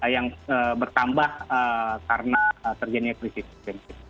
yang bertambah karena terjadinya krisis iklim